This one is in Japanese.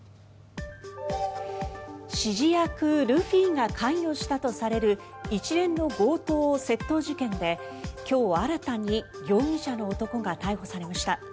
指示役・ルフィが関与したとされる一連の強盗・窃盗事件で今日新たに容疑者の男が逮捕されました。